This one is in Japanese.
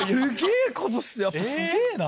すげぇな。